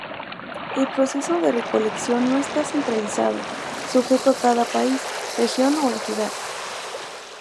El proceso de recolección no está centralizado, sujeto a cada país, región o entidad.